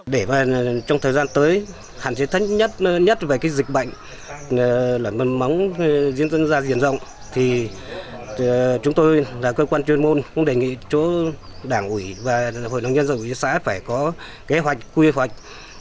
để vào trong thời gian tới hẳn sẽ thích nhất về dịch bệnh lở mồm long móng diễn ra diện rộng thì chúng tôi là cơ quan chuyên môn cũng đề nghị chỗ đảng ủy và hội đồng nhân dân ủy xã phải có kế hoạch quy hoạch